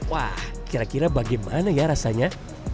wah kira kira bagaimana ya rasanya